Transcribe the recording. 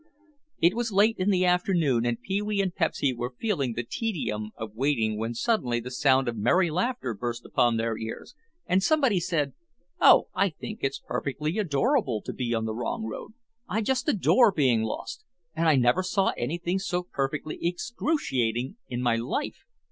It was late in the afternoon and Pee wee and Pepsy were feeling the tedium of waiting when suddenly the sound of merry laughter burst upon their ears and somebody said, "Oh, I think it's perfectly adorable to be on the wrong road! I just adore being lost! And I never saw anything so perfectly excruciating in my life!"